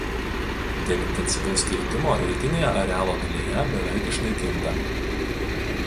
Dėl intensyvaus kirtimo rytinėje arealo dalyje beveik išnaikinta.